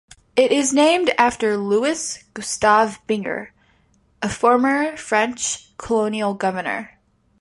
It is named after Louis-Gustave Binger, a former French colonial governor.